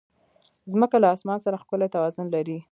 مځکه له اسمان سره ښکلی توازن لري.